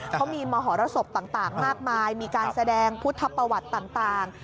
เขามีมหรสบต่างมากมายมีการแสดงพุทธประวัติต่าง